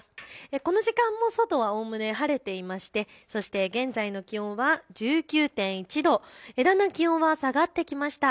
この時間も外はおおむね晴れていまして現在の気温は１９．１度だんだん気温は下がってきました。